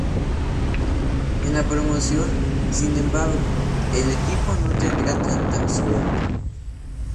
En la promoción, sin embargo, el equipo no tendría tanta suerte.